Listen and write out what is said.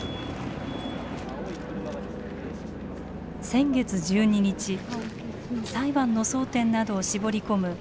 先月１２日裁判の争点などを絞り込む公判